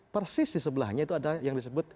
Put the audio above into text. persis di sebelahnya itu ada yang disebut